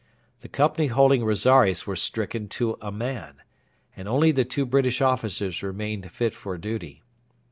The company holding Rosaires were stricken to a man, and only the two British officers remained fit for duty.